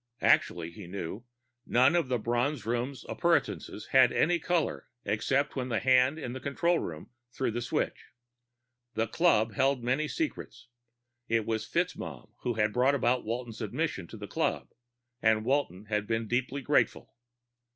Actually, he knew, none of the Bronze Room's appurtenances had any color except when the hand in the control room threw the switch. The club held many secrets. It was FitzMaugham who had brought about Walton's admission to the club, and Walton had been deeply grateful.